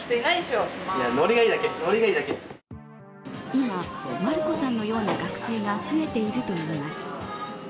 今、マルコさんのような学生が増えているといいます。